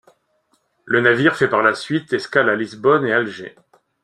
Le navire fait par la suite escale à Lisbonne et Alger.